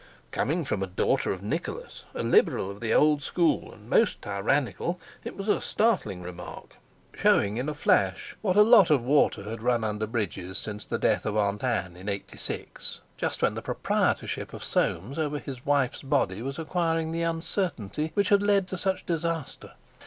Coming from a daughter of Nicholas, a Liberal of the old school and most tyrannical, it was a startling remark—showing in a flash what a lot of water had run under bridges since the death of Aunt Ann in '86, just when the proprietorship of Soames over his wife's body was acquiring the uncertainty which had led to such disaster.